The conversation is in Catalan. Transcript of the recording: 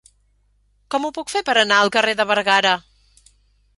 Com ho puc fer per anar al carrer de Bergara?